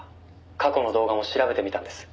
「過去の動画も調べてみたんです」